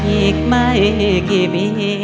อีกไม่กี่ปี